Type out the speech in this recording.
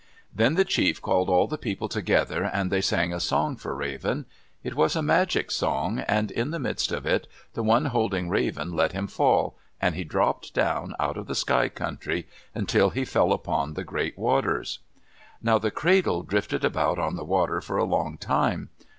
Then the chief called all the people together and they sang a song for Raven. It was a magic song, and in the midst of it the one holding Raven let him fall, and he dropped down out of the Sky Country until he fell upon the great waters. Now the cradle drifted about on the water for a long time.